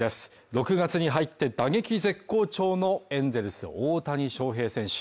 ６月に入って打撃絶好調のエンゼルス大谷翔平選手